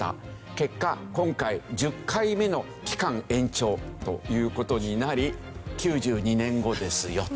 結果今回１０回目の期間延長という事になり９２年後ですよと。